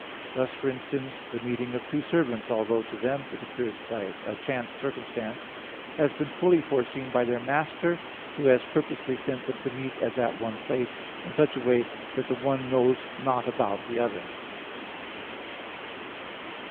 Thus, for instance, the meeting of two servants, although to them it appears a chance circumstance, has been fully foreseen by their master, who has purposely sent them to meet at the one place, in such a way that the one knows not about the other.